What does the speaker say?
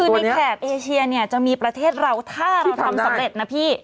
ในแขกเอเชียจะมีประเทศเราถ้าเราทำสำเร็จนะพี่